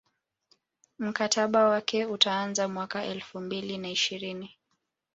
mkataba wake utaanza mwaka elfu mbili na ishirini